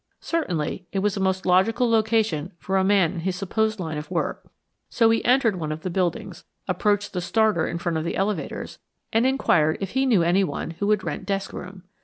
Certainly, it was a most logical location for a man in his supposed line of work, so he entered one of the buildings, approached the starter in front of the elevators, and inquired if he knew anyone who would rent desk room.